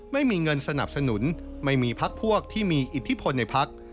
ไม่มีเงินสนับสนุนไม่มีพักพวกที่มีอิทธิพลในพัก